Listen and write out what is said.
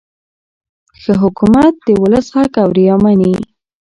ښه حکومت د ولس غږ اوري او مني.